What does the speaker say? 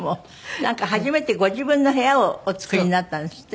なんか初めてご自分の部屋をお作りになったんですって？